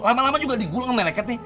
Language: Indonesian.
lama lama juga digulung sama meleket nih